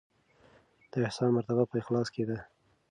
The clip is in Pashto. د احسان مرتبه په اخلاص کې ده.